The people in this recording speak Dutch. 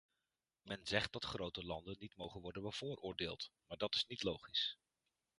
Men zegt dat grote landen niet mogen worden bevoordeeld, maar dat is niet logisch.